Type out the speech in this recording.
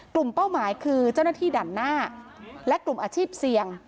เป้าหมายคือเจ้าหน้าที่ด่านหน้าและกลุ่มอาชีพเสี่ยง